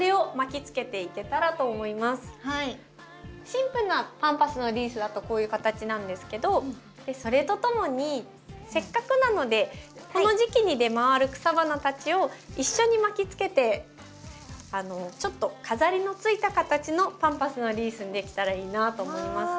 シンプルなパンパスのリースだとこういう形なんですけどそれとともにせっかくなのでこの時期に出回る草花たちを一緒に巻きつけてちょっと飾りのついた形のパンパスのリースにできたらいいなと思います。